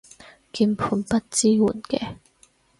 鍵盤不支援嘅